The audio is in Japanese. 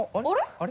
あれ？